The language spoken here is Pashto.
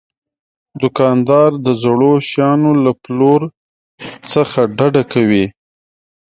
دوکاندار د زړو شیانو له پلور نه ډډه کوي.